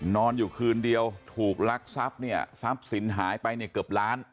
นอนอยู่คืนเดียวถูกลักทรัพย์เนี่ยทรัพย์สินหายไปเนี่ยเกือบล้าน